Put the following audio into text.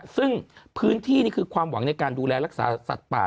ซึ่งพื้นที่นี่คือความหวังในการดูแลรักษาสัตว์ป่า